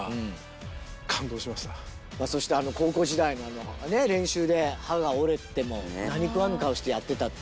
そして高校時代の練習で歯が折れても何食わぬ顔してやってたっていうエピソードが。